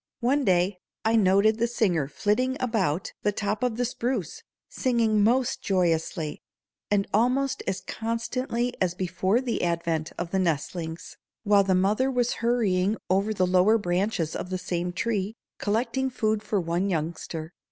One day I noted the singer flitting about the top of the spruce, singing most joyously, and almost as constantly as before the advent of the nestlings, while the mother was hurrying over the lower branches of the same tree, collecting food for one youngster.